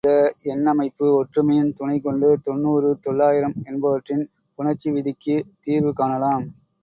இந்த எண் அமைப்பு ஒற்றுமையின் துணை கொண்டு தொண்ணூறு, தொள்ளாயிரம் என்பவற்றின் புணர்ச்சி விதிக்குத் தீர்வு காணலாம்.